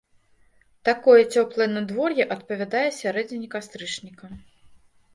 Такое цёплае надвор'е адпавядае сярэдзіне кастрычніка.